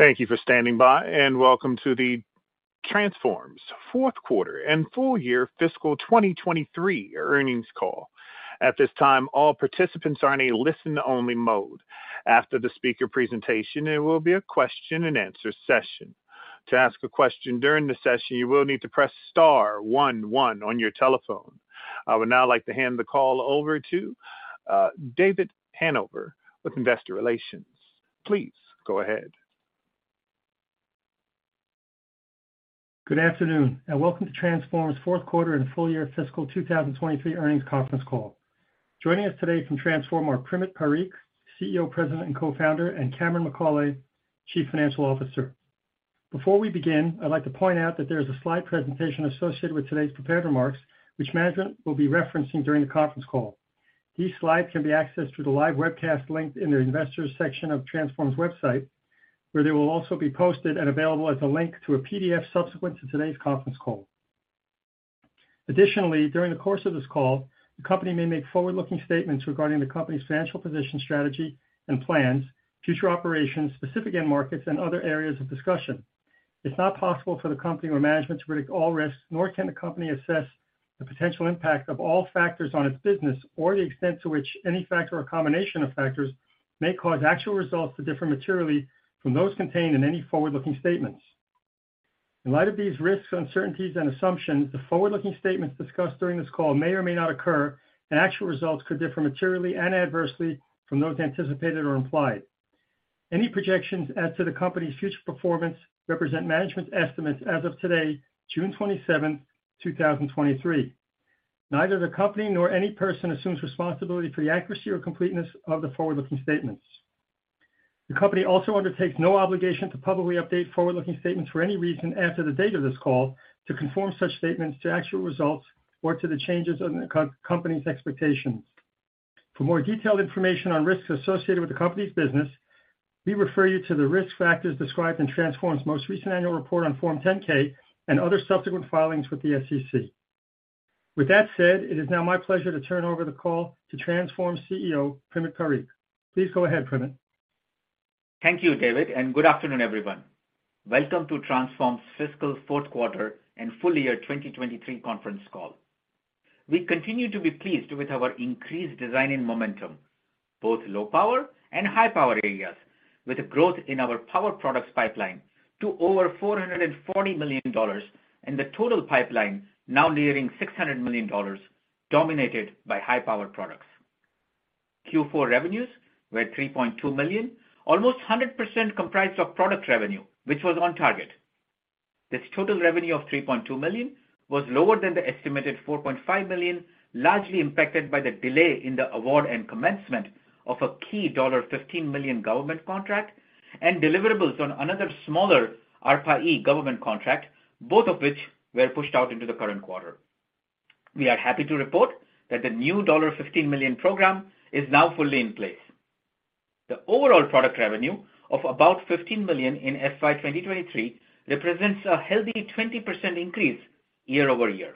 Thank you for standing by. Welcome to Transphorm's fourth quarter and full year fiscal 2023 earnings call. At this time, all participants are in a listen-only mode. After the speaker presentation, there will be a question-and-answer session. To ask a question during the session, you will need to press star one one on your telephone. I would now like to hand the call over to David Hanover with Investor Relations. Please go ahead. Good afternoon. Welcome to Transphorm's fourth quarter and full year fiscal 2023 earnings conference call. Joining us today from Transphorm are Primit Parikh, CEO, President, and Co-founder, and Cameron McAulay, Chief Financial Officer. Before we begin, I'd like to point out that there is a slide presentation associated with today's prepared remarks, which management will be referencing during the conference call. These slides can be accessed through the live webcast link in the investors section of Transphorm's website, where they will also be posted and available as a link to a PDF subsequent to today's conference call. Additionally, during the course of this call, the company may make forward-looking statements regarding the company's financial position, strategy and plans, future operations, specific end markets, and other areas of discussion. It's not possible for the company or management to predict all risks, nor can the company assess the potential impact of all factors on its business or the extent to which any factor or combination of factors may cause actual results to differ materially from those contained in any forward-looking statements. In light of these risks, uncertainties, and assumptions, the forward-looking statements discussed during this call may or may not occur, and actual results could differ materially and adversely from those anticipated or implied. Any projections as to the company's future performance represent management's estimates as of today, 27 June 2023. Neither the company nor any person assumes responsibility for the accuracy or completeness of the forward-looking statements. The company also undertakes no obligation to publicly update forward-looking statements for any reason after the date of this call, to conform such statements to actual results or to changes in the company's expectations. For more detailed information on risks associated with the company's business, we refer you to the risk factors described in Transphorm's most recent annual report on Form 10-K and other subsequent filings with the SEC. With that said, it is now my pleasure to turn over the call to Transphorm's CEO, Primit Parikh. Please go ahead, Primit.Thank you, David. Good afternoon, everyone. Welcome to Transphorm's fiscal fourth quarter and full year 2023 conference call. We continue to be pleased with our increased design-in momentum, both in low power and high power areas, with growth in our power products pipeline to over $440 million, and the total pipeline now nearing $600 million, dominated by high power products. Q4 revenues were $3.2 million, almost 100% comprised of product revenue, which was on target. This total revenue of $3.2 million was lower than the estimated $4.5 million, largely impacted by the delay in the award and commencement of a key $15 million government contract and deliverables on another smaller ARPA-E government contract, both of which were pushed out into the current quarter. We are happy to report that the new $15 million program is now fully in place. The overall product revenue of about $15 million in FY 2023 represents a healthy 20% increase year-over-year.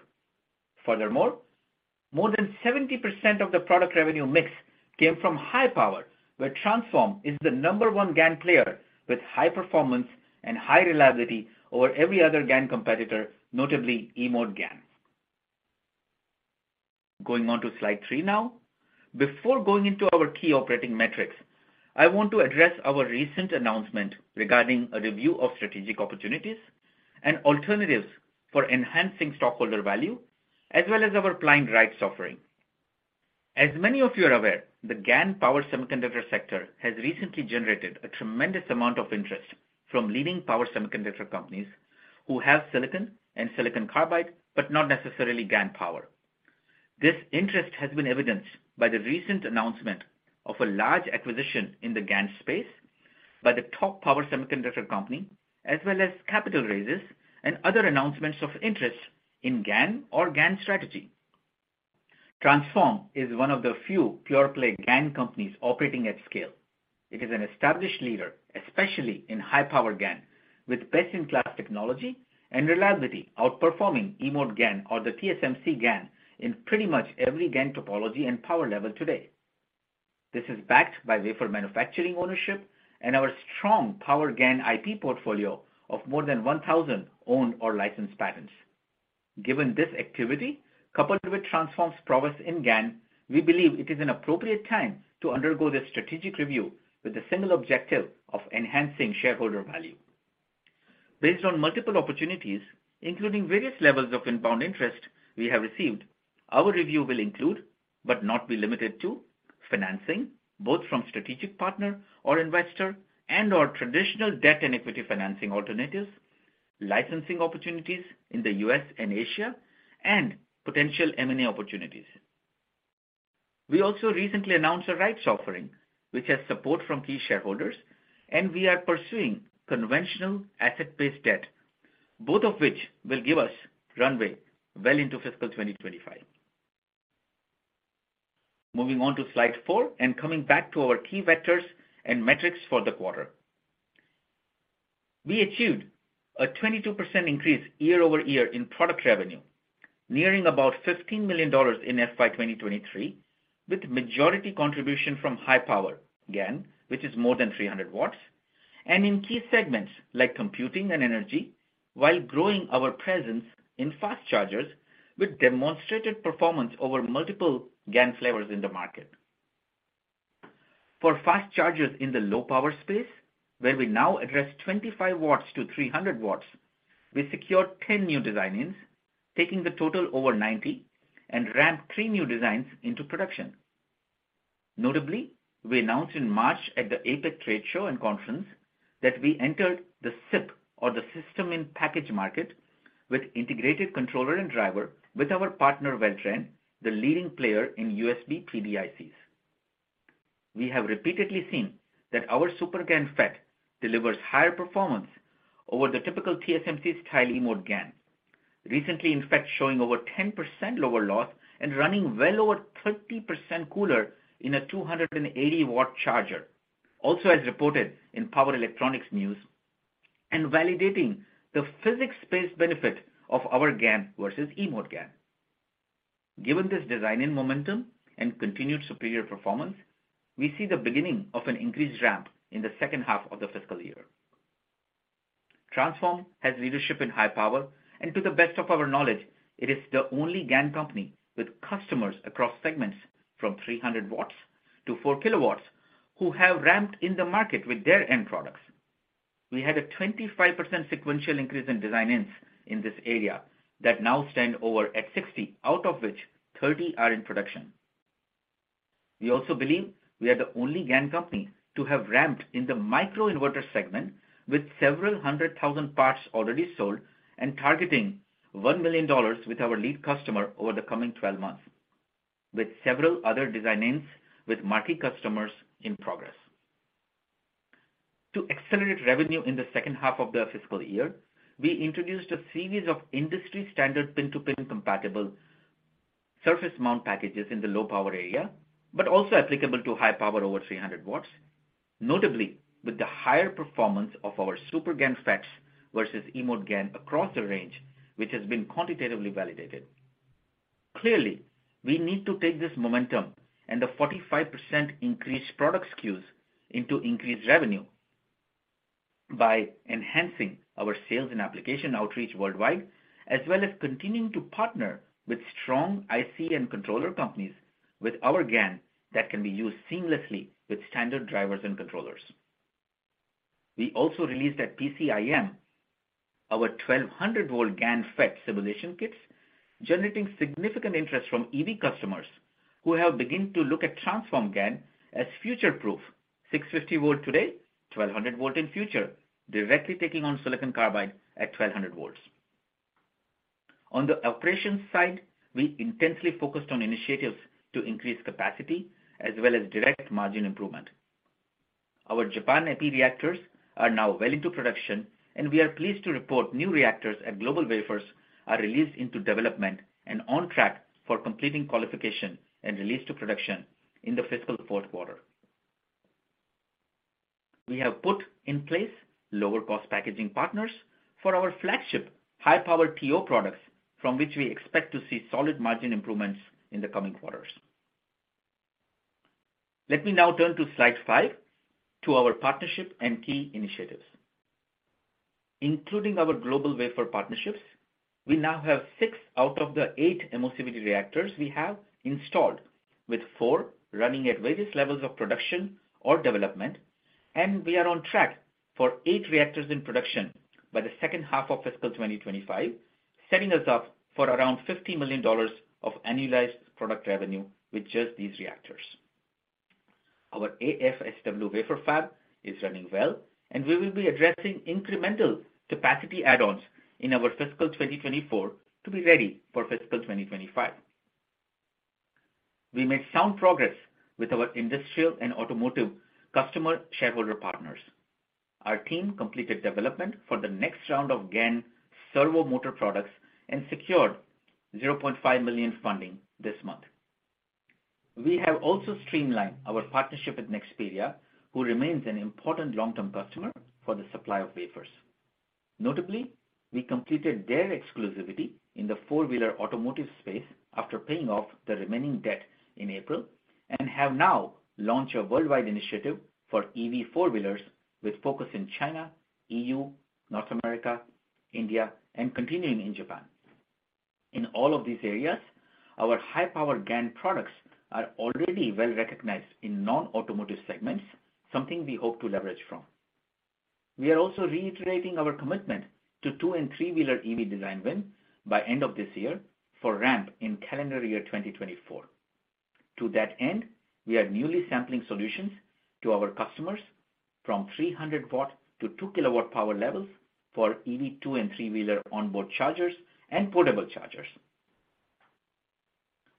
More than 70% of the product revenue mix came from high power, where Transphorm is the number one GaN player with high performance and high reliability over every other GaN competitor, notably eMode GaN. Going on to slide 3 now. Before going into our key operating metrics, I want to address our recent announcement regarding a review of strategic opportunities and alternatives for enhancing stockholder value, as well as our planned rights offering. As many of you are aware, the GaN power semiconductor sector has recently generated a tremendous amount of interest from leading power semiconductor companies who have silicon and silicon carbide, but not necessarily GaN power. This interest has been evidenced by the recent announcement of a large acquisition in the GaN space by the top power semiconductor company, as well as capital raises and other announcements of interest in GaN or GaN strategy. Transphorm is one of the few pure-play GaN companies operating at scale. It is an established leader, especially in high-power GaN, with best-in-class technology and reliability, outperforming eMode GaN or the TSMC GaN in pretty much every GaN topology and power level today. This is backed by wafer manufacturing ownership and our strong power GaN IP portfolio of more than 1,000 owned or licensed patents. Given this activity, coupled with Transphorm's prowess in GaN, we believe it is an appropriate time to undergo this strategic review with the single objective of enhancing shareholder value. Based on multiple opportunities, including various levels of inbound interest we have received, our review will include, but not be limited to, financing, both from strategic partner or investor and/or traditional debt and equity financing alternatives, licensing opportunities in the U.S. and Asia, and potential M&A opportunities. We also recently announced a rights offering, which has support from key shareholders, and we are pursuing conventional asset-based debt, both of which will give us runway well into fiscal 2025. Moving on to slide 4 and coming back to our key vectors and metrics for the quarter. We achieved a 22% increase year-over-year in product revenue. Nearing about $15 million in FY 2023, with the majority contribution from high-power GaN, which is more than 300 W, and in key segments like computing and energy, while growing our presence in fast chargers, with demonstrated performance over multiple GaN flavors in the market. For fast chargers in the low-power space, where we now address 25 W to 300 W, we secured 10 new design wins, taking the total to over 90, and ramped three new designs into production. Notably, we announced in March at the APEC Trade Show and Conference that we entered the SiP, or System-in-Package, market with an integrated controller and driver with our partner, Weltrend, a leading player in USB PDICs. We have repeatedly seen that our SuperGaN FET delivers higher performance over the typical TSMC-style eMode GaN. Recently, in fact, showing over 10% lower loss and running well over 30% cooler in a 280-watt charger. Also, as reported in Power Electronics News, and validating the physics-based benefit of our GaN versus eMode GaN. Given this design and momentum and continued superior performance, we see the beginning of an increased ramp in the second half of the fiscal year. Transphorm has leadership in high power, and to the best of our knowledge, it is the only GaN company with customers across segments from 300 watts to 4 kilowatts, who have ramped in the market with their end products. We had a 25% sequential increase in design wins in this area, that now stand over at 60, out of which 30 are in production. We also believe we are the only GaN company to have ramped in the microinverter segment, with several hundred thousand parts already sold, and targeting $1 million with our lead customer over the coming 12 months, with several other design wins with multi customers in progress. To accelerate revenue in the second half of the fiscal year, we introduced a series of industry standard pin-to-pin compatible surface mount packages in the low power area, but also applicable to high power over 300 watts, notably with the higher performance of our SuperGaN FETs versus eMode GaN across the range, which has been quantitatively validated. We need to take this momentum and the 45% increased product SKUs into increased revenue by enhancing our sales and application outreach worldwide, as well as continuing to partner with strong IC and controller companies with our GaN that can be used seamlessly with standard drivers and controllers. We also released at PCIM, our 1,200 volt GaN FET simulation kits, generating significant interest from EV customers who have begun to look at Transphorm GaN as future-proof, 650 volt today, 1,200 volt in future, directly taking on silicon carbide at 1,200 volts. On the operations side, we intensely focused on initiatives to increase capacity as well as direct margin improvement. Our Japan epi reactors are now well into production. We are pleased to report new reactors at GlobalWafers are released into development and on track for completing qualification and release to production in the fiscal fourth quarter. We have put in place lower-cost packaging partners for our flagship high-power TO products, from which we expect to see solid margin improvements in the coming quarters. Let me now turn to slide 5, to our partnership and key initiatives. Including our GlobalWafers partnerships, we now have 6 out of the 8 MOCVD reactors we have installed, with 4 running at various levels of production or development. We are on track for 8 reactors in production by the second half of fiscal 2025, setting us up for around $50 million of annualized product revenue with just these reactors. Our AFSW wafer fab is running well. We will be addressing incremental capacity add-ons in fiscal 2024 to be ready for fiscal 2025. We made sound progress with our industrial and automotive customer shareholder partners. Our team completed development for the next round of GaN servo motor products and secured $0.5 million in funding this month. We have also streamlined our partnership with Nexperia, who remains an important long-term customer for the supply of wafers. Notably, we completed their exclusivity in the four-wheeler automotive space after paying off the remaining debt in April. We have now launched a worldwide initiative for EV four-wheelers with focus in China, the EU, North America, India, and continuing in Japan. In all of these areas, our high-power GaN products are already well recognized in non-automotive segments, something we hope to leverage. We are also reiterating our commitment to two and three-wheeler EV design win by end of this year for ramp in calendar year 2024. To that end, we are newly sampling solutions to our customers from 300 W to 2 kW power levels for EV two and three-wheeler onboard chargers and portable chargers.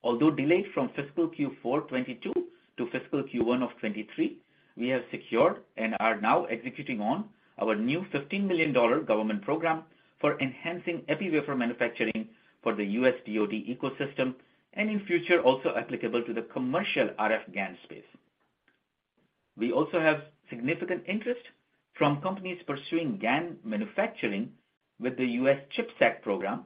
Although delayed from fiscal Q4 2022 to fiscal Q1 of 2023, we have secured and are now executing on our new $15 million government program for enhancing epi wafer manufacturing for the US DoD ecosystem, and in future, also applicable to the commercial RF GaN space. We also have significant interest from companies pursuing GaN manufacturing with the US CHIPS Act program,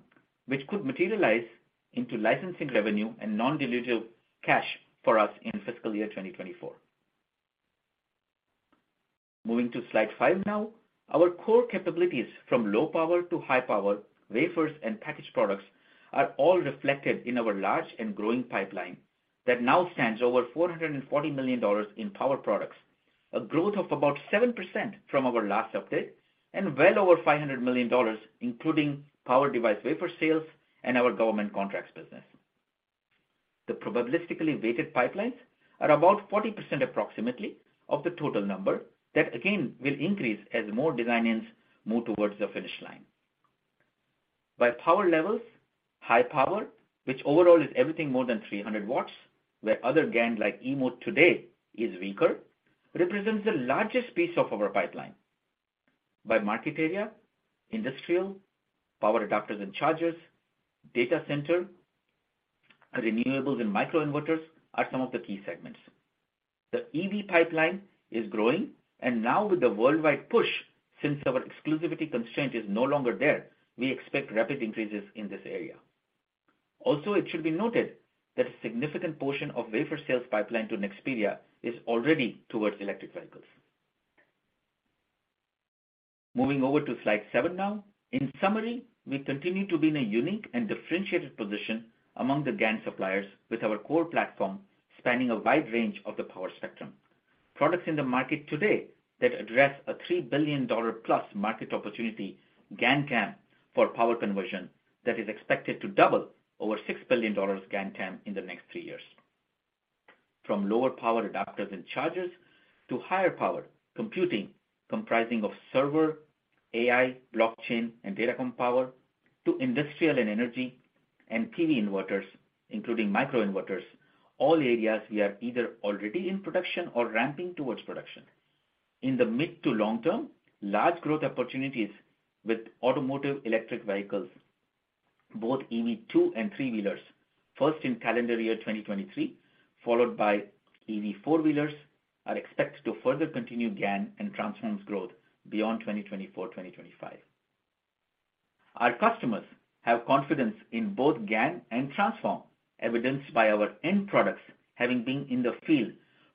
which could materialize into licensing revenue and non-dilutive cash for us in fiscal year 2024. Moving to slide 5 now. Our core capabilities from low power to high power, wafers and packaged products, are all reflected in our large and growing pipeline that now stands over $440 million in power products, a growth of about 7% from our last update, and well over $500 million, including power device wafer sales and our government contracts business. The probabilistically weighted pipelines are about 40% approximately of the total number, that again, will increase as more design-ins move towards the finish line. By power levels, high power, which overall is everything more than 300 watts, where other GaN like eMode today is weaker, represents the largest piece of our pipeline. By market area, industrial, power adapters and chargers, data center, renewables and micro inverters are some of the key segments. The EV pipeline is growing, and now with the worldwide push, since our exclusivity constraint is no longer there, we expect rapid increases in this area. Also, it should be noted that a significant portion of wafer sales pipeline to Nexperia is already towards electric vehicles. Moving over to slide 7 now. In summary, we continue to be in a unique and differentiated position among the GaN suppliers, with our core platform spanning a wide range of the power spectrum. Products in the market today address a $3 billion-plus GaN TAM for power conversion that is expected to double to over $6 billion GaN TAM in the next 3 years. From lower-power adapters and chargers to higher-power computing, comprising server, AI, blockchain, and datacom power, to industrial and energy and PV inverters, including micro inverters, all areas we are either already in production or ramping towards production. In the mid to long term, large growth opportunities with automotive electric vehicles, both EV two- and three-wheelers, first in calendar year 2023, followed by EV four-wheelers, are expected to further continue GaN and Transphorm's growth beyond 2024 and 2025. Our customers have confidence in both GaN and Transphorm, evidenced by our end products having been in the field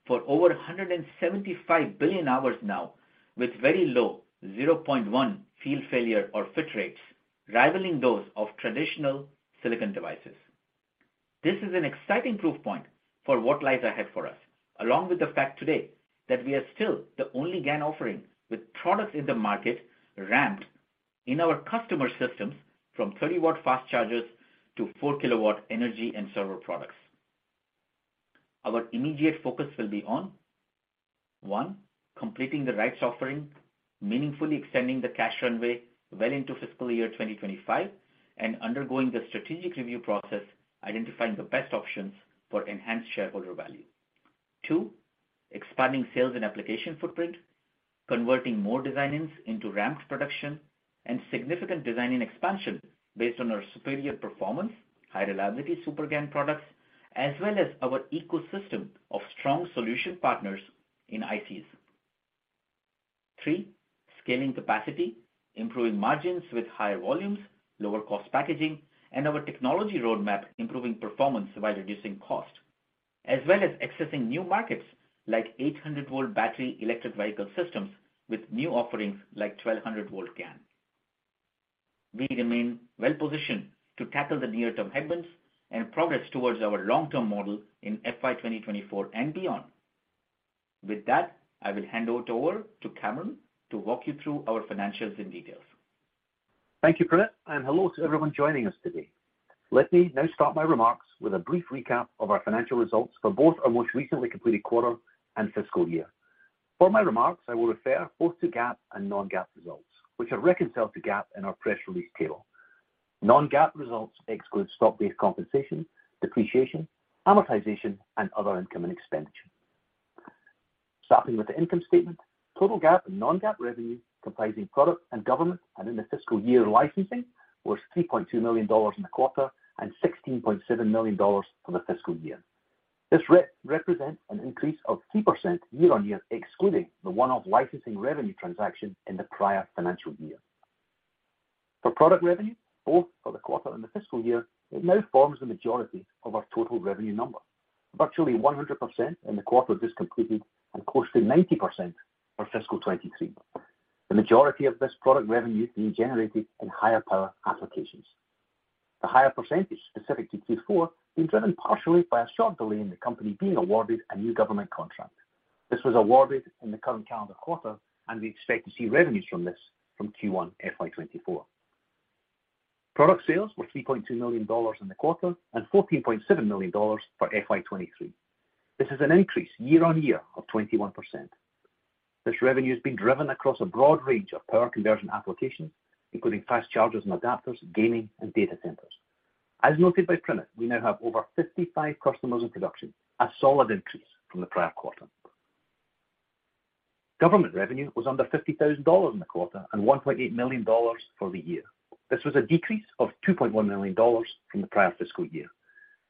for over 175 billion hours now, with very low 0.1 field failure, or FIT rates, rivaling those of traditional silicon devices. This is an exciting proof point for what lies ahead for us, along with the fact today that we are still the only GaN offering with products in the market ramped in our customer systems from 30-watt fast chargers to 4-kilowatt energy and server products. Our immediate focus will be on, 1, completing the rights offering, meaningfully extending the cash runway well into fiscal year 2025, and undergoing the strategic review process, identifying the best options for enhanced shareholder value. 2, expanding sales and application footprint, converting more design-ins into ramped production and significant design-in expansion based on our superior performance, high reliability SuperGaN products, as well as our ecosystem of strong solution partners in ITs. Three, scaling capacity, improving margins with higher volumes, lower cost packaging, and our technology roadmap, improving performance while reducing cost, as well as accessing new markets like 800 volt battery electric vehicle systems with new offerings like 1,200 volt GaN. We remain well positioned to tackle the near-term headwinds and progress towards our long-term model in FY 2024 and beyond. With that, I will hand it over to Cameron to walk you through our financials in details. Thank you, Primit, and hello to everyone joining us today. Let me now start my remarks with a brief recap of our financial results for both our most recently completed quarter and fiscal year. For my remarks, I will refer both to GAAP and non-GAAP results, which are reconciled to GAAP in our press release table. Non-GAAP results exclude stock-based compensation, depreciation, amortization, and other income and expenditure. Starting with the income statement, total GAAP and non-GAAP revenue, comprising product and government, and in the fiscal year, licensing, was $3.2 million in the quarter and $16.7 million for the fiscal year. This represents an increase of 3% year-on-year, excluding the one-off licensing revenue transaction in the prior financial year. For product revenue, both for the quarter and the fiscal year, it now forms the majority of our total revenue number, virtually 100% in the quarter just completed and closely 90% for fiscal 2023. The majority of this product revenue being generated in higher power applications. The higher percentage, specific to Q4, is driven partially by a short delay in the company being awarded a new government contract. This was awarded in the current calendar quarter, and we expect to see revenues from this from Q1 FY 2024. Product sales were $3.2 million in the quarter and $14.7 million for FY 2023. This is an increase year-on-year of 21%. This revenue has been driven across a broad range of power conversion applications, including fast chargers and adapters, gaming, and data centers. As noted by Primit, we now have over 55 customers in production, a solid increase from the prior quarter. Government revenue was under $50,000 in the quarter and $1.8 million for the year. This was a decrease of $2.1 million from the prior fiscal year.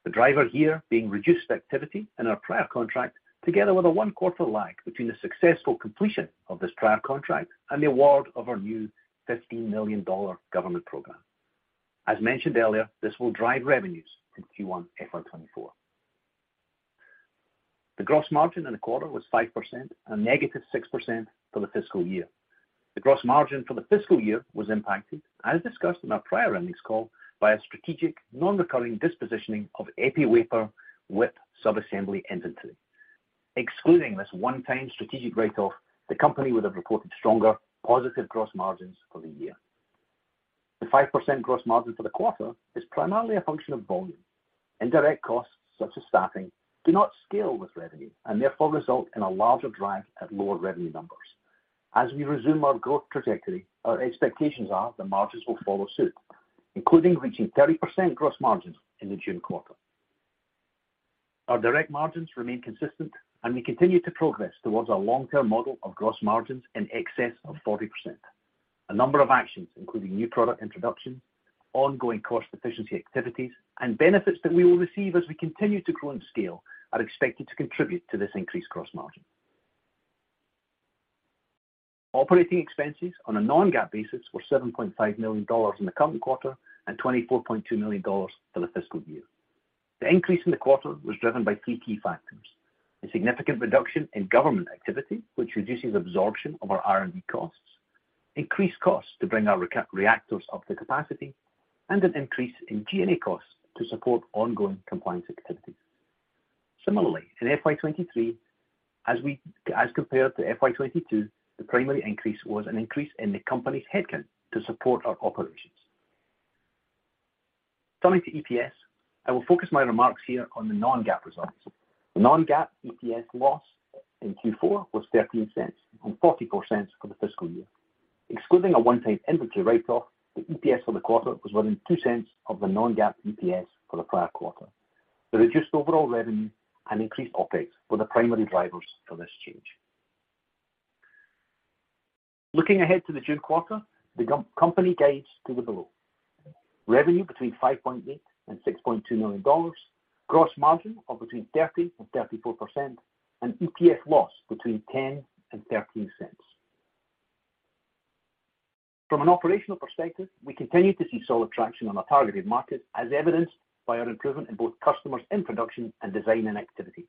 The driver here being reduced activity in our prior contract, together with a one-quarter lag between the successful completion of this prior contract and the award of our new $15 million government program. As mentioned earlier, this will drive revenues in Q1 FY 2024. The gross margin in the quarter was 5% and -6% for the fiscal year. The gross margin for the fiscal year was impacted, as discussed in our prior earnings call, by a strategic non-recurring dispositioning of epi wafer with sub-assembly inventory. Excluding this one-time strategic write-off, the company would have reported stronger positive gross margins for the year. The 5% gross margin for the quarter is primarily a function of volume. Indirect costs, such as staffing, do not scale with revenue and therefore result in a larger drag at lower revenue numbers. As we resume our growth trajectory, our expectations are that margins will follow suit, including reaching 30% gross margins in the June quarter. Our direct margins remain consistent and we continue to progress towards our long-term model of gross margins in excess of 40%. A number of actions, including new product introduction, ongoing cost efficiency activities, and benefits that we will receive as we continue to grow and scale, are expected to contribute to this increased gross margin. Operating expenses on a non-GAAP basis were $7.5 million in the current quarter and $24.2 million for the fiscal year. The increase in the quarter was driven by three key factors: a significant reduction in government activity, which reduces absorption of our R&D costs, increased costs to bring our reka- reactors up to capacity, and an increase in G&A costs to support ongoing compliance activities. Similarly, in FY 2023, as compared to FY 2022, the primary increase was an increase in the company's headcount to support our operations. Turning to EPS, I will focus my remarks here on the non-GAAP results. The non-GAAP EPS loss in Q4 was $0.13 and $0.44 for the fiscal year. Excluding a one-time inventory write-off, the EPS for the quarter was within $0.02 of the non-GAAP EPS for the prior quarter. The reduced overall revenue and increased OpEx were the primary drivers for this change. Looking ahead to the June quarter, the company guides to the below: revenue between $5.8 million-$6.2 million, gross margin of between 30%-34%, and EPS loss between $0.10-$0.13. From an operational perspective, we continue to see solid traction on our targeted market, as evidenced by our improvement in both customers in production and design-in activity.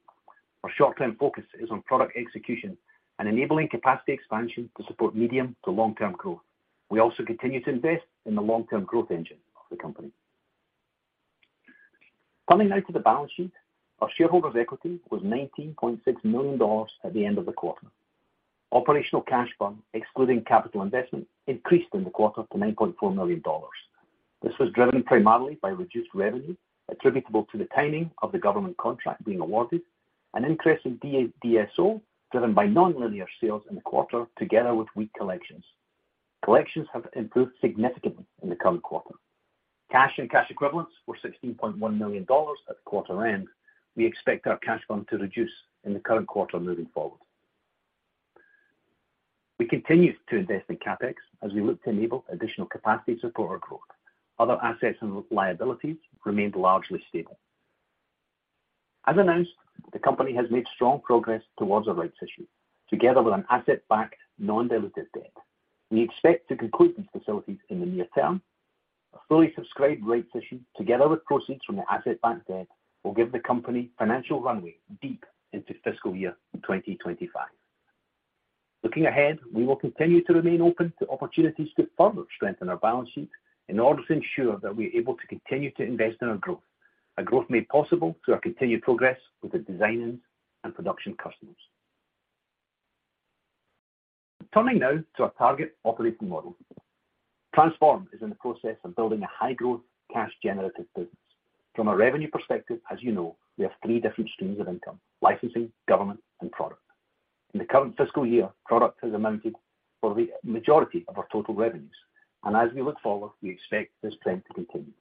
Our short-term focus is on product execution and enabling capacity expansion to support medium to long-term growth. We also continue to invest in the long-term growth engine of the company. Turning now to the balance sheet. Our shareholders' equity was $19.6 million at the end of the quarter. Operational cash burn, excluding capital investment, increased in the quarter to $9.4 million. This was driven primarily by reduced revenue attributable to the timing of the government contract being awarded, an increase in DSO, driven by non-linear sales in the quarter, together with weak collections. Collections have improved significantly in the current quarter. Cash and cash equivalents were $16.1 million at quarter end. We expect our cash burn to reduce in the current quarter moving forward. We continue to invest in CapEx as we look to enable additional capacity to support our growth. Other assets and liabilities remained largely stable. As announced, the company has made strong progress towards a rights issue, together with an asset-backed, non-dilutive debt. We expect to complete these facilities in the near term. A fully subscribed rights issue, together with proceeds from the asset-backed debt, will give the company financial runway deep into fiscal year 2025. Looking ahead, we will continue to remain open to opportunities to further strengthen our balance sheet in order to ensure that we are able to continue to invest in our growth, a growth made possible through our continued progress with the design-ins and production customers. Turning now to our target operating model. Transphorm is in the process of building a high-growth, cash-generative business. From a revenue perspective, as you know, we have three different streams of income, licensing, government, and product. In the current fiscal year, product has amounted for the majority of our total revenues, and as we look forward, we expect this trend to continue.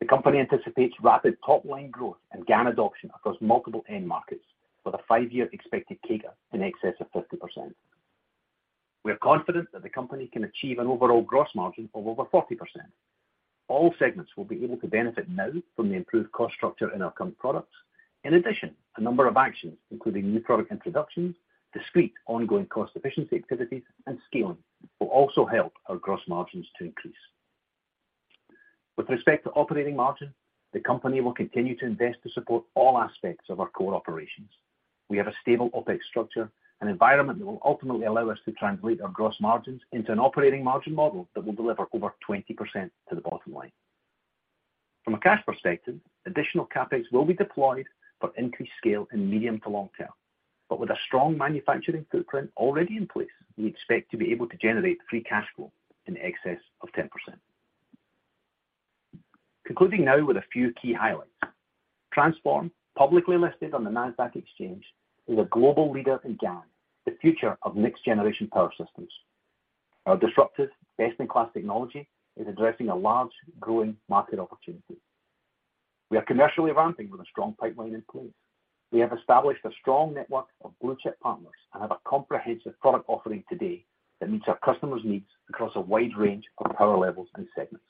The company anticipates rapid top-line growth and GaN adoption across multiple end markets, with a five-year expected CAGR in excess of 50%. We are confident that the company can achieve an overall gross margin of over 40%. All segments will be able to benefit now from the improved cost structure in our current products. A number of actions, including new product introductions, discrete ongoing cost efficiency activities, and scaling, will also help our gross margins to increase. With respect to operating margin, the company will continue to invest to support all aspects of our core operations. We have a stable OpEx structure, an environment that will ultimately allow us to translate our gross margins into an operating margin model that will deliver over 20% to the bottom line. From a cash perspective, additional CapEx will be deployed for increased scale in medium to long term. With a strong manufacturing footprint already in place, we expect to be able to generate free cash flow in excess of 10%. Concluding now with a few key highlights. Transphorm, publicly listed on the Nasdaq Exchange, is a global leader in GaN, the future of next-generation power systems. Our disruptive, best-in-class technology is addressing a large, growing market opportunity. We are commercially ramping with a strong pipeline in place. We have established a strong network of blue-chip partners, and have a comprehensive product offering today that meets our customers' needs across a wide range of power levels and segments.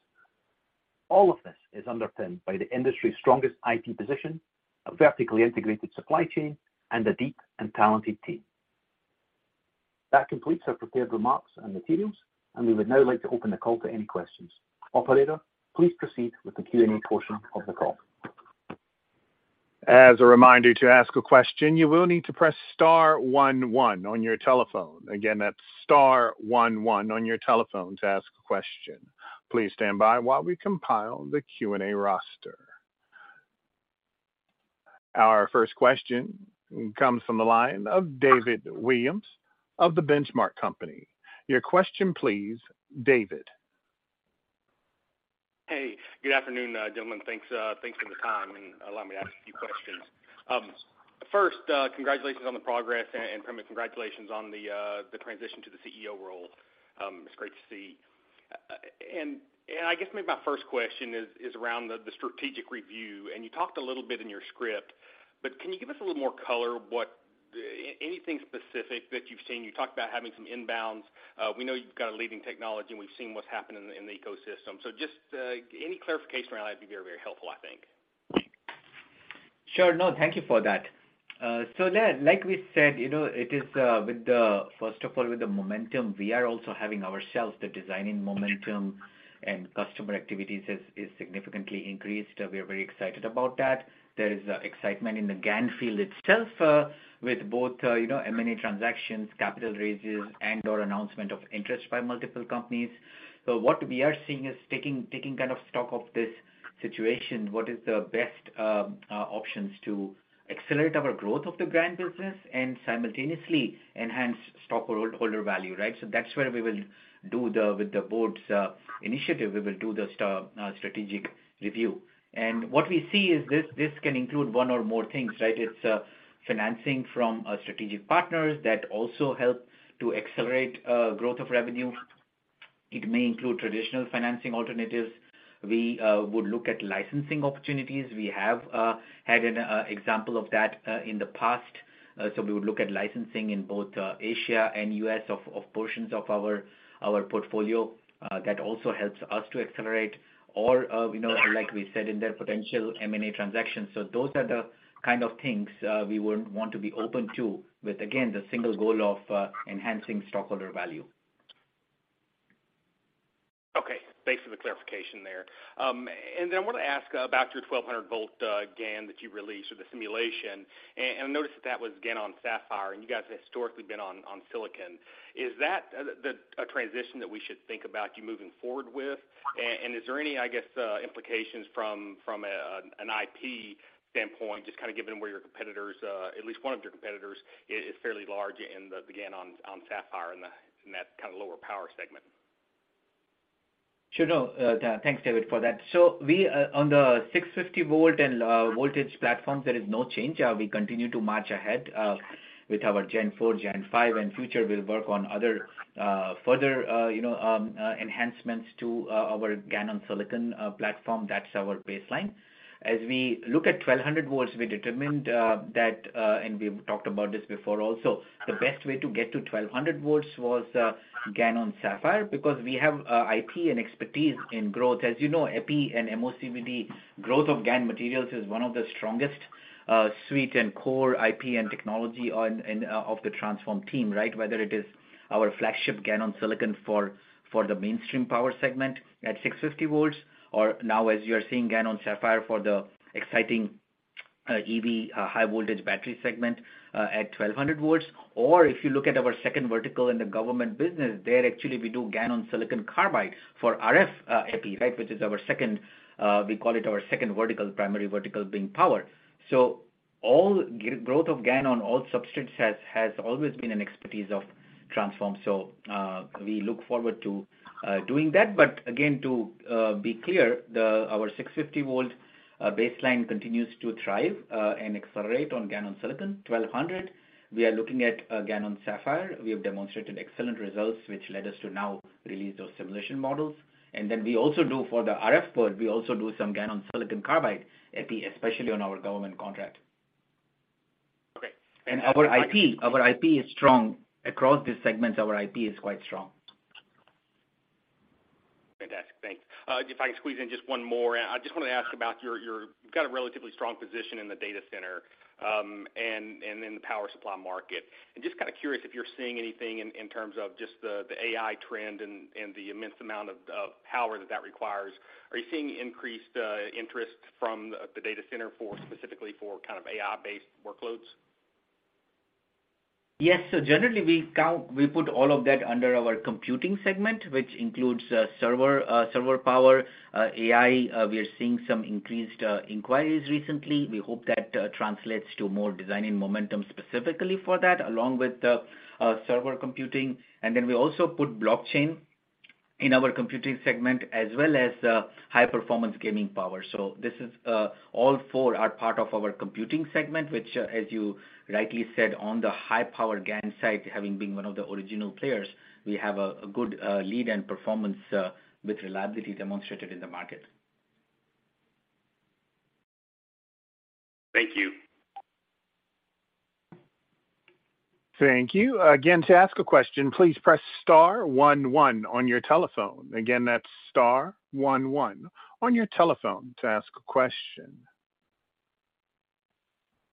All of this is underpinned by the industry's strongest IP position, a vertically integrated supply chain, and a deep and talented team. That completes our prepared remarks and materials, and we would now like to open the call to any questions. Operator, please proceed with the Q&A portion of the call. As a reminder, to ask a question, you will need to press star one on your telephone. Again, that's star one on your telephone to ask a question. Please stand by while we compile the Q&A roster. Our first question comes from the line of David Williams of The Benchmark Company. Your question, please, David. Hey, good afternoon, gentlemen. Thanks, thanks for the time, and allow me to ask a few questions. First, congratulations on the progress, and congratulations on the transition to the CEO role. It's great to see. I guess maybe my first question is around the strategic review, and you talked a little bit in your script, but can you give us a little more color? Anything specific that you've seen, you talked about having some inbounds. We know you've got a leading technology, and we've seen what's happened in the ecosystem. Just, any clarification around that would be very helpful, I think. Sure. No, thank you for that. Like we said, you know, it is First of all, with the momentum, we are also having ourselves the designing momentum and customer activities has, is significantly increased. We are very excited about that. There is excitement in the GaN field itself, with both, you know, M&A transactions, capital raises, and/or announcement of interest by multiple companies. What we are seeing is taking kind of stock of this situation, what is the best options to accelerate our growth of the GaN business and simultaneously enhance stockholder value, right? That's where we will with the board's initiative, we will do the strategic review. What we see is this can include one or more things, right? It's financing from strategic partners that also help to accelerate growth of revenue. It may include traditional financing alternatives. We would look at licensing opportunities. We have had an example of that in the past. We would look at licensing in both Asia and U.S. of portions of our portfolio that also helps us to accelerate or, you know, like we said, in their potential M&A transactions. Those are the kind of things we would want to be open to, with, again, the single goal of enhancing stockholder value. Okay, thanks for the clarification there. Then I want to ask about your 1,200 volt GaN that you released, or the simulation. I noticed that was GaN on Sapphire, and you guys have historically been on Silicon. Is that a transition that we should think about you moving forward with? Is there any, I guess, implications from an IP standpoint, just kind of given where your competitors, at least one of your competitors is fairly large in the GaN on Sapphire in that kind of lower power segment? Sure. No, thanks, David, for that. We on the 650 volt and voltage platforms, there is no change. We continue to march ahead with our Gen IV, Gen V, and future will work on other further, you know, enhancements to our GaN on silicon platform. That's our baseline. As we look at 1,200 volts, we determined that and we've talked about this before also, the best way to get to 1,200 volts was GaN on Sapphire, because we have IP and expertise in growth. As you know, epi and MOCVD, growth of GaN materials is one of the strongest suite and core IP and technology on and of the Transphorm team, right? Whether it is our flagship GaN on silicon for the mainstream power segment at 650 V, or now, as you are seeing, GaN on Sapphire for the exciting EV high-voltage battery segment at 1,200 V. If you look at our second vertical in the government business, there we do GaN on silicon carbide for RF epi. That is what we call our second vertical, the primary vertical being power. All growth of GaN on all substrates has always been an expertise of Transphorm. We look forward to doing that. Again, to be clear, our 650 V baseline continues to thrive and accelerate on GaN on silicon. At 1,200 V, we are looking at GaN on Sapphire. We have demonstrated excellent results, which led us to now release those simulation models. We also do for the RF port, we also do some GaN on silicon carbide, epi, especially on our government contract. Great. Our IP is strong. Across these segments, our IP is quite strong. Fantastic. Thanks. If I can squeeze in just one more. I just want to ask about your you've got a relatively strong position in the data center, and in the power supply market. Just kind of curious if you're seeing anything in terms of just the AI trend and the immense amount of power that requires. Are you seeing increased interest from the data center for specifically kind of AI-based workloads? Yes. Generally, we put all of that under our computing segment, which includes server power and AI. Thank you. Again, to ask a question, please press star one one on your telephone. Again, that's star one one on your telephone to ask a question.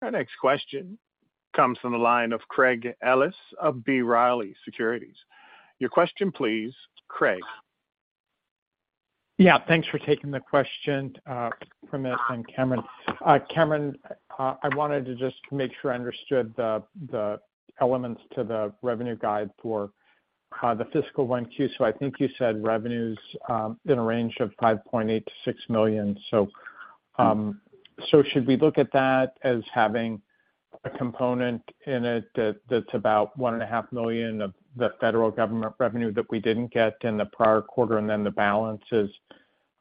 Our next question comes from the line of Craig Ellis of B. Riley Securities. Your question, please, Craig. Yeah, thanks for taking the question, Primit and Cameron. Cameron, I wanted to just make sure I understood the elements to the revenue guide for the fiscal 1Q. I think you said revenues in a range of $5.8 million-$6 million. Should we look at that as having a component in it that's about one and a half million dollars of the federal government revenue that we didn't get in the prior quarter, and then the balance is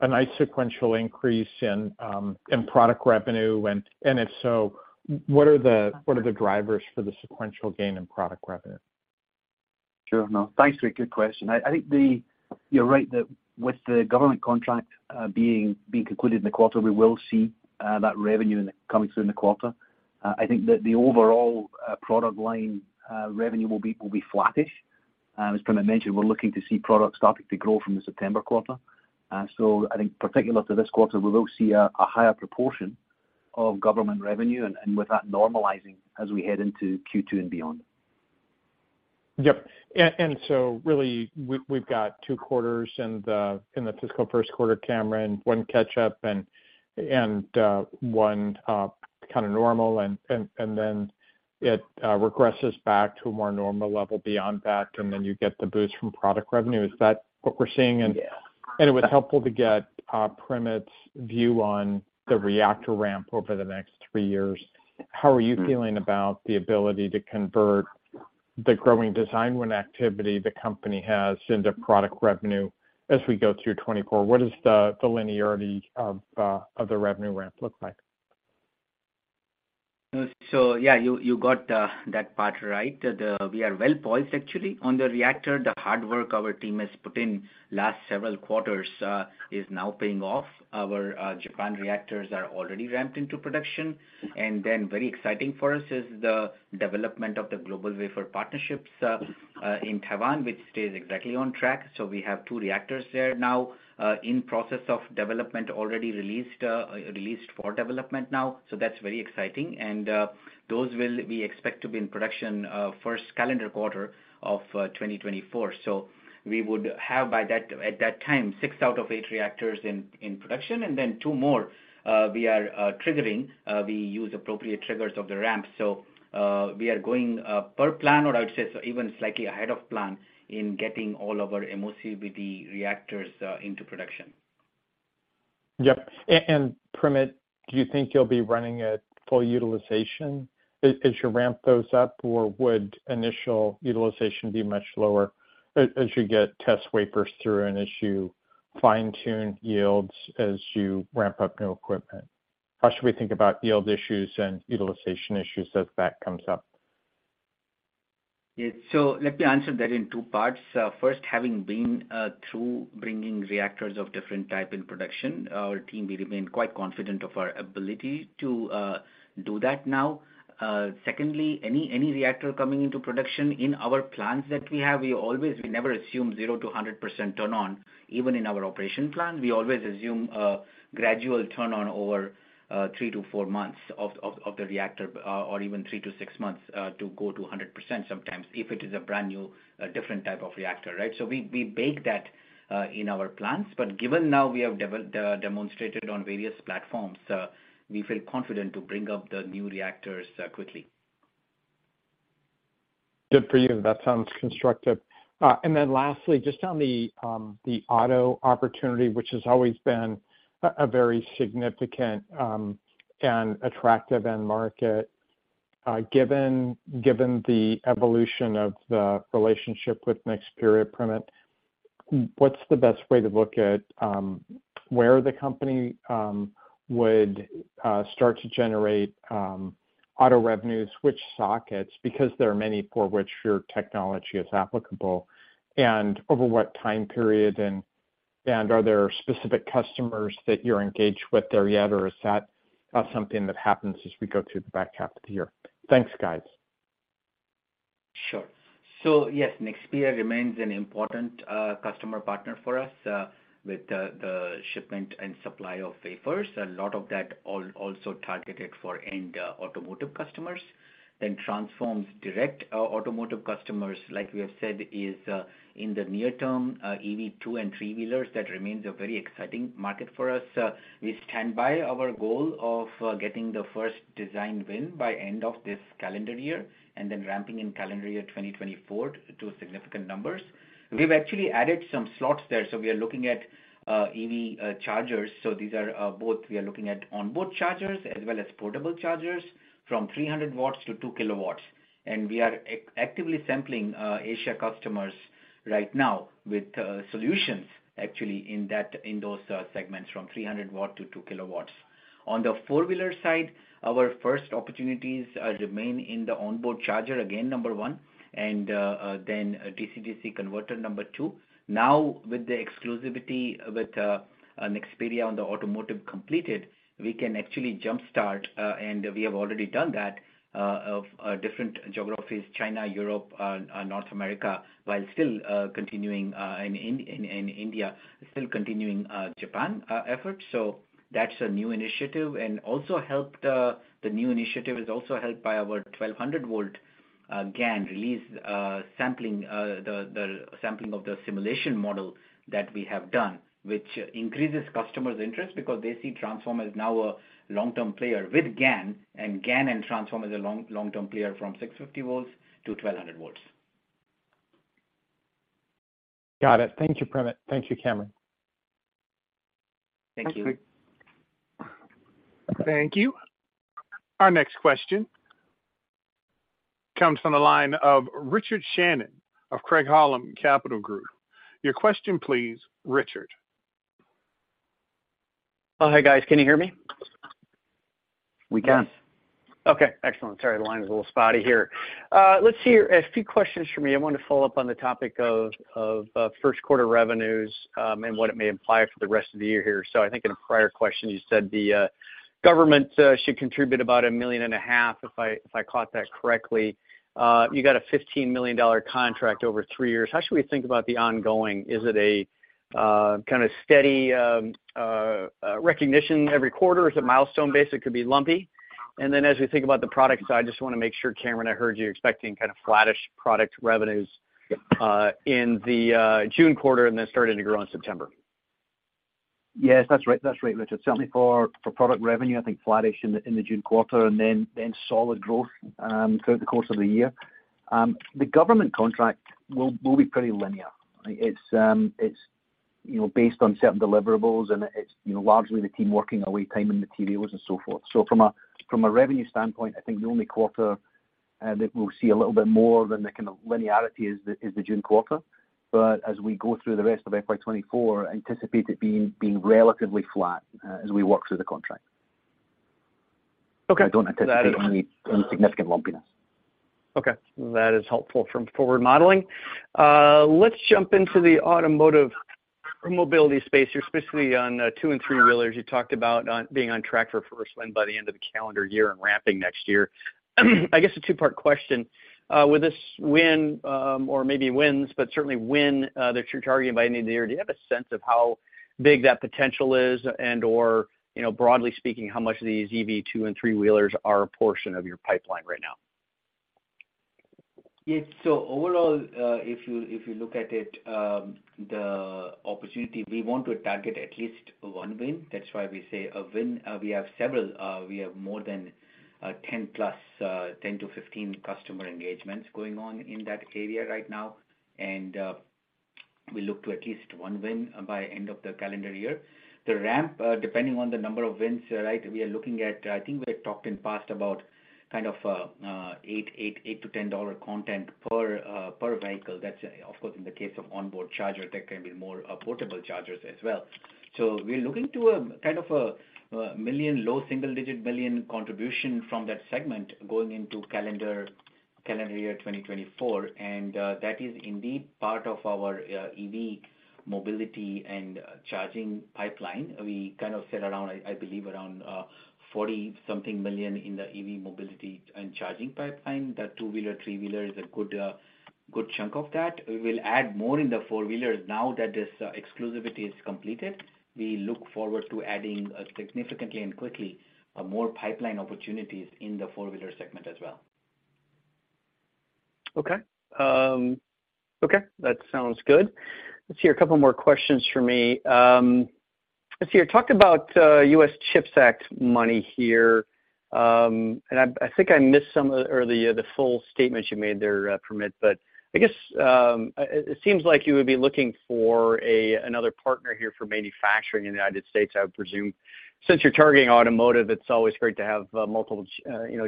a nice sequential increase in product revenue? If so, what are the drivers for the sequential gain in product revenue? Sure. No, thanks, Rick. Good question. I think. You're right that with the government contract, being concluded in the quarter, we will see that revenue coming through in the quarter. I think that the overall product line revenue will be flattish. As Primit Parikh mentioned, we're looking to see products starting to grow from the September quarter. I think particular to this quarter, we will see a higher proportion of government revenue and with that normalizing as we head into Q2 and beyond. Yep. Really, we've got two quarters in the fiscal first quarter, Cameron, one catch up and one kind of normal, and then it regresses back to a more normal level beyond that, and then you get the boost from product revenue. Is that what we're seeing? Yeah. It was helpful to get Primit's view on the reactor ramp over the next three years. How are you feeling about the ability to convert the growing design win activity the company has into product revenue as we go through 2024? What is the linearity of the revenue ramp look like? Yeah, you got that part right. We are well poised actually. On the reactor, the hard work our team has put in last several quarters is now paying off. Our Japan reactors are already ramped into production. Very exciting for us is the development of the GlobalWafers partnerships in Taiwan, which stays exactly on track. We have 2 reactors there now in process of development, already released for development now. That's very exciting, those will we expect to be in production first calendar quarter of 2024. We would have, by that, at that time, 6 out of 8 reactors in production, 2 more we are triggering. We use appropriate triggers of the ramp. We are going per plan, or I would say so even slightly ahead of plan in getting all of our MOCVD reactors into production. Yep. Primit, do you think you'll be running at full utilization as you ramp those up? Or would initial utilization be much lower as you get test wafers through and as you fine-tune yields as you ramp up new equipment? How should we think about yield issues and utilization issues as that comes up? Yeah. So let me answer that in two parts. First, having been through bringing reactors of different types into production, our team remains quite confident in our ability to do that now. Secondly, any reactor coming into production in our plants, we never assume zero to 100% turn-on, even in our operational plan. We always assume a gradual turn-on over three to four months of the reactor, or even three to six months to go to 100% sometimes if it is a brand new, different type of reactor. So we bake that into our plans. But given that we have now demonstrated this on various platforms, we feel confident in bringing up the new reactors quickly. Good for you. That sounds constructive. Lastly, just on the auto opportunity, which has always been a very significant and attractive end market. Given the evolution of the relationship with Nexperia, Primit, what's the best way to look at where the company would start to generate auto revenues, switch sockets, because there are many for which your technology is applicable, and over what time period, and are there specific customers that you're engaged with there yet, or is that something that happens as we go through the back half of the year? Thanks, guys. Sure. Yes, Nexperia remains an important customer partner for us with the shipment and supply of wafers. A lot of that also targeted for end automotive customers. Transphorm's direct automotive customers, like we have said, is in the near term EV two and three-wheelers. That remains a very exciting market for us. We stand by our goal of getting the first design win by end of this calendar year and then ramping in calendar year 2024 to significant numbers. We've actually added some slots there, so we are looking at EV chargers. These are both we are looking at on board chargers as well as portable chargers from 300 watts to 2 kilowatts, and we are actively sampling Asia customers.... right now with solutions actually in that, in those segments from 300 watt to 2 kilowatts. On the four-wheeler side, our first opportunities remain in the onboard charger, again, number one, and then DC-DC converter, number two. Now, with the exclusivity with an Nexperia on the automotive completed, we can actually jumpstart, and we have already done that, of different geographies, China, Europe, North America, while still continuing in India, still continuing Japan efforts. That's a new initiative and also helped, the new initiative is also helped by our 1,200 volt GaN release, sampling, the sampling of the simulation model that we have done, which increases customers' interest because they see Transphorm as now a long-term player with GaN, and GaN and Transphorm is a long-term player from 650 volts to 1,200 volts. Got it. Thank you, Primit. Thank you, Cameron. Thank you. Thanks. Thank you. Our next question comes from the line of Richard Shannon of Craig-Hallum Capital Group. Your question, please, Richard. Oh, hi, guys. Can you hear me? We can. Yes. Okay, excellent. Sorry, the line is a little spotty here. Let's see, a few questions for me. I want to follow up on the topic of first quarter revenues and what it may imply for the rest of the year here. I think in a prior question, you said the government should contribute about $1.5 million, if I caught that correctly. You got a $15 million contract over three years. How should we think about the ongoing? Is it a kind of steady recognition every quarter? Is it milestone-based, it could be lumpy? As we think about the product side, I just want to make sure, Cameron, I heard you're expecting kind of flattish product revenues in the June quarter, and then starting to grow in September. Yes, that's right. That's right, Richard. Certainly for product revenue, I think flattish in the June quarter, then solid growth throughout the course of the year. The government contract will be pretty linear. It's, you know, based on certain deliverables, and it's, you know, largely the team working away, time and materials and so forth. From a revenue standpoint, I think the only quarter that we'll see a little bit more than the kind of linearity is the June quarter. As we go through the rest of FY 2024, anticipate it being relatively flat as we work through the contract. Okay. I don't anticipate any significant lumpiness. Okay, that is helpful from forward modeling. Let's jump into the automotive mobility space here, specifically on two and three-wheelers. You talked about being on track for first win by the end of the calendar year and ramping next year. I guess a two-part question. With this win, or maybe wins, but certainly win, that you're targeting by end of the year, do you have a sense of how big that potential is? You know, broadly speaking, how much of these EV two and three-wheelers are a portion of your pipeline right now? Overall, if you, if you look at it, the opportunity, we want to target at least one win. That's why we say a win. We have several, we have more than 10+, 10-15 customer engagements going on in that area right now, we look to at least one win by end of the calendar year. The ramp, depending on the number of wins, right, we are looking at, I think we had talked in past about kind of, $8-$10 content per vehicle. That's of course, in the case of onboard charger, that can be more, portable chargers as well. We're looking to a $1 million, low single-digit million contribution from that segment going into calendar year 2024, that is indeed part of our EV mobility and charging pipeline. We kind of set around, I believe, around $40 something million in the EV mobility and charging pipeline. The two-wheeler, three-wheeler is a good chunk of that. We will add more in the four-wheelers now that this exclusivity is completed. We look forward to adding significantly and quickly more pipeline opportunities in the four-wheeler segment as well. Okay. That sounds good. Let me ask a couple more questions. Let's talk about US CHIPS Act money here. I think I missed some of the full statement you made there, Primit, but it seems like you would be looking for another partner here for manufacturing in the United States, I would presume. Since you're targeting automotive, it's always great to have multiple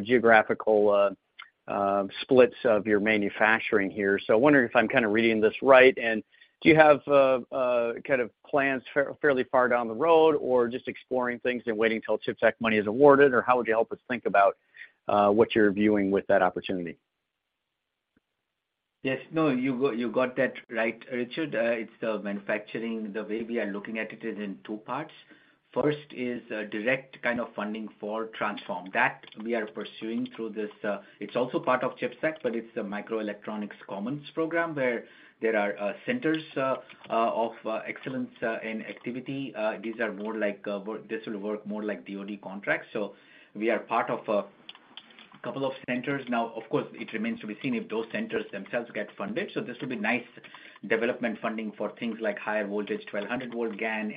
geographical splits of your manufacturing. I'm wondering if I'm reading this right. Do you have plans fairly far down the road, or are you just exploring things and waiting until CHIPS Act money is awarded? How should we think about what you're viewing with that opportunity? Yes, no, you got that right, Richard. The way we are looking at it is in two parts. First is direct funding for Transphorm that we are pursuing through this. It's also part of the CHIPS Act, but specifically the Microelectronics Commons program, where there are centers of excellence and activity. These will work more like DoD contracts. We are part of a couple of centers. Of course, it remains to be seen if those centers themselves get funded. This would be development funding for things like higher-voltage 1,200 V GaN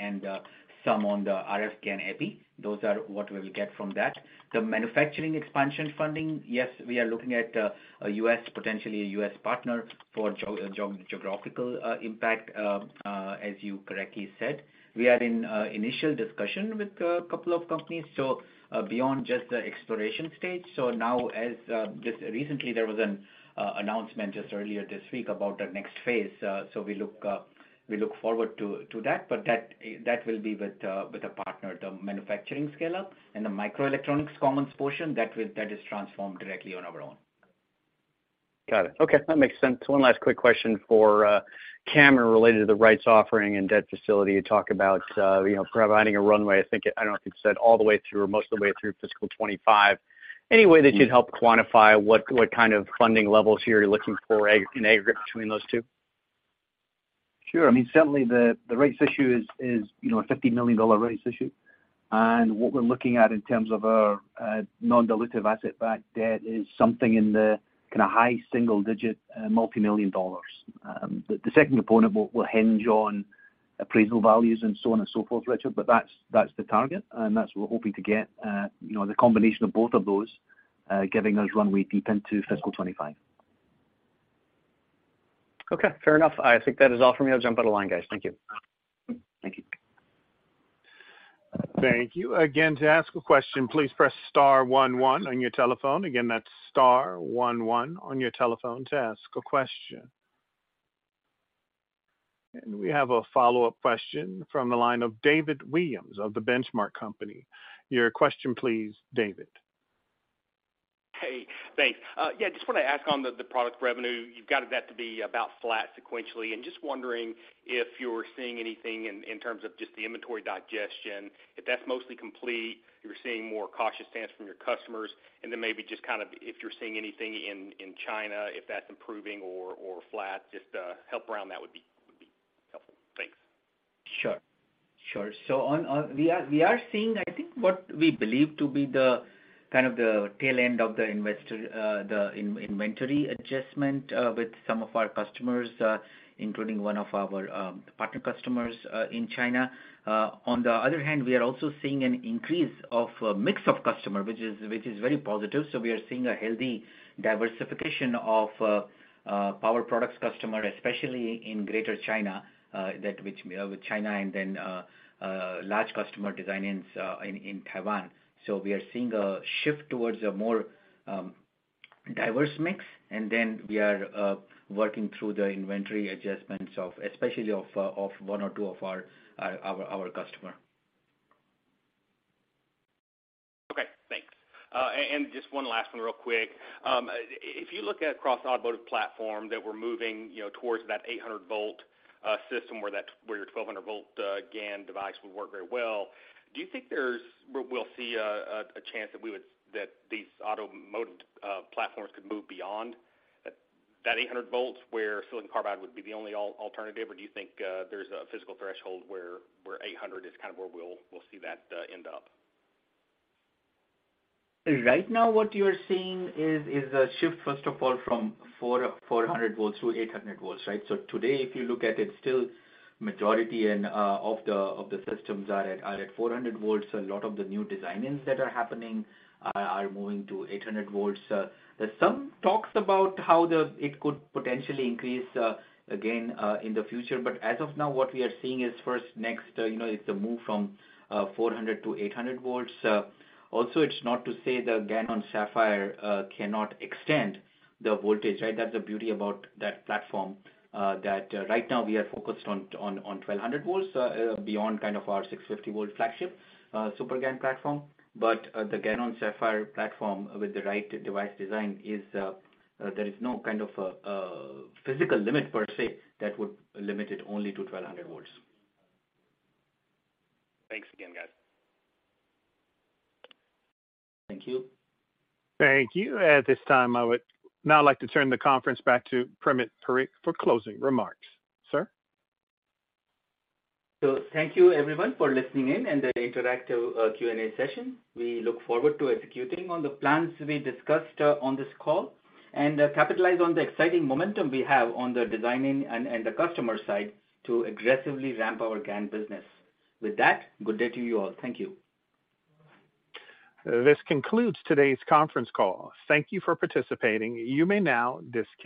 and some RF GaN epi. Those are what we would get from that. The manufacturing expansion funding, yes, we are looking at a U.S., potentially a U.S. partner for geographical impact, as you correctly said. We are in initial discussion with 2 companies, so beyond just the exploration stage. Now as just recently, there was an announcement just earlier this week about the next phase. We look forward to that, but that will be with a partner, the manufacturing scale-up. The Microelectronics Commons portion, that is Transphorm directly on our own. Got it. Okay, that makes sense. One last quick question for Cameron, related to the rights offering and debt facility. You talk about, you know, providing a runway. I think, I don't know if you've said all the way through or most of the way through fiscal 2025. Any way that you'd help quantify what kind of funding levels you're looking for in aggregate between those two? Sure. I mean, certainly the rights issue is, you know, a $50 million rights issue. What we're looking at in terms of our non-dilutive asset-backed debt is something in the kind of high single-digit multimillion dollars. The second component will hinge on appraisal values and so on and so forth, Richard. That's the target, and that's what we're hoping to get. You know, the combination of both of those, giving us runway deep into fiscal 2025. Okay, fair enough. I think that is all for me. I'll jump out of line, guys. Thank you. Thank you. Thank you. Again, to ask a question, please press star one one on your telephone. Again, that's star one one on your telephone to ask a question. We have a follow-up question from the line of David Williams of The Benchmark Company. Your question, please, David. Hey, thanks. Yeah, just want to ask on the product revenue. You've guided that to be about flat sequentially. Just wondering if you're seeing anything in terms of just the inventory digestion, if that's mostly complete, you're seeing more cautious stance from your customers. Maybe just kind of if you're seeing anything in China, if that's improving or flat, just help around that would be helpful. Thanks. Sure, sure. On we are seeing, I think, what we believe to be the kind of the tail end of the investor, the in-inventory adjustment, with some of our customers, including one of our partner customers, in China. On the other hand, we are also seeing an increase of a mix of customer, which is very positive. We are seeing a healthy diversification of power products customer, especially in Greater China, that which, with China and then large customer design ins, in Taiwan. We are seeing a shift towards a more diverse mix, and then we are working through the inventory adjustments of, especially of one or two of our customer. Okay, thanks. Just one last one real quick. If you look at across automotive platform that we're moving, you know, towards that 800 volt system, where your 1,200 volt GaN device would work very well. We'll see a chance that we would, that these automotive platforms could move beyond that 800 volts, where silicon carbide would be the only alternative? Do you think there's a physical threshold where 800 is kind of where we'll see that end up? Right now, what you are seeing is a shift, first of all, from 400 volts to 800 volts, right? Today, if you look at it, still majority of the systems are at 400 volts. A lot of the new design-ins that are happening are moving to 800 volts. There's some talks about how it could potentially increase again in the future. As of now, what we are seeing is first, next, you know, it's a move from 400 to 800 volts. It's not to say the GaN on Sapphire cannot extend the voltage, right? That's the beauty about that platform, that, right now we are focused on 1,200 volts, beyond kind of our 650 volt flagship, SuperGaN platform. The GaN on Sapphire platform with the right device design is, there is no kind of, physical limit per se, that would limit it only to 1,200 volts. Thanks again, guys. Thank you. Thank you. At this time, I would now like to turn the conference back to Primit Parikh for closing remarks. Sir? Thank you, everyone, for listening in and the interactive Q&A session. We look forward to executing on the plans we discussed on this call, and capitalize on the exciting momentum we have on the designing and the customer side to aggressively ramp our GaN business. With that, good day to you all. Thank you. This concludes today's conference call. Thank you for participating. You may now disconnect.